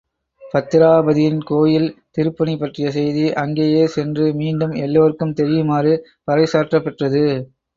பத்திராபதியின் கோவில் திருப்பணி பற்றிய செய்தி, அங்கேயே சென்று மீண்டும் எல்லோர்க்கும் தெரியுமாறு பறை சாற்றப் பெற்றது.